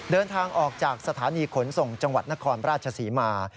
เดินทางออกจากสถานีขนส่งจังหวัดนครราชศรีมา